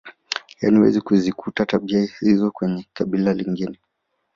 Yaani huwezi kuzikuta tabia hizo kwenye kabila lingine